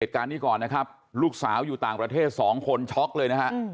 เหตุการณ์นี้ก่อนนะครับลูกสาวอยู่ต่างประเทศ๒คนช็อกเลยนะฮะ